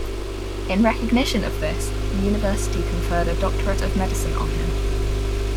In recognition of this the University conferred a Doctorate of Medicine on him.